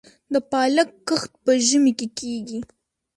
د پالک کښت په ژمي کې کیږي؟